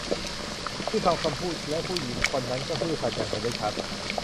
นั่นคือคำพูดและผู้หญิงคนนั้นก็ซื่อสัตย์อย่างเห็นได้ชัด